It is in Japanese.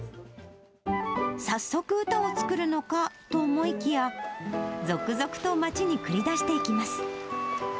早速、歌を作るのかと思いきや、続々と街に繰り出していきます。